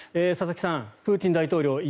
佐々木さん、プーチン大統領